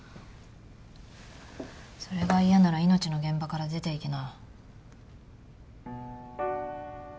それが嫌なら命の現場から出て行きな。